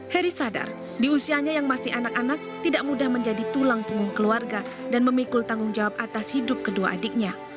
heri sadar di usianya yang masih anak anak tidak mudah menjadi tulang punggung keluarga dan memikul tanggung jawab atas hidup kedua adiknya